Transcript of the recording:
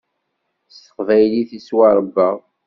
S teqbaylit i ttwaṛebbaɣ.